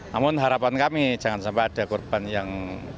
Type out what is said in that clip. namun harapan kami jangan sampai ada korban yang